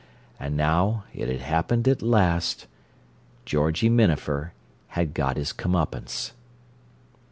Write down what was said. And now it had happened at last: Georgie Minafer had got his come upance.